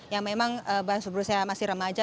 yang memang bahasa brusa masih remaja